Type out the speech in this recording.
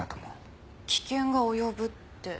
危険が及ぶって。